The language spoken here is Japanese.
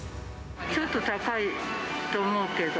ちょっと高いと思うけど、